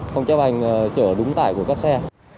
không chấp anh chở đúng tải của các xe